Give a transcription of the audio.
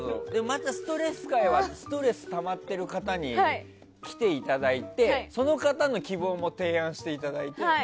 またストレス回はストレスたまっている方に来ていただいて、その方の希望も提案していただいて。